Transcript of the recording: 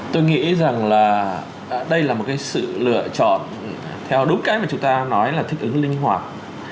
tôi nghĩ rằng là đây là một cái sự lựa chọn theo đúng cách mà chúng ta nói là thích ứng linh hoạt